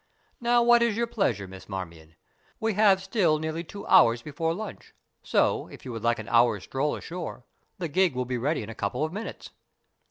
Now what is your pleasure, Miss Marmion? We have still nearly two hours before lunch, so, if you would like an hour's stroll ashore, the gig will be ready in a couple of minutes."